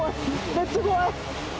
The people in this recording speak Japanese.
めっちゃ怖い。